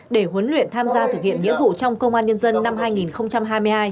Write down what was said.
để huấn luyện tham gia thực hiện nghĩa vụ trong công an nhân dân năm hai nghìn hai mươi hai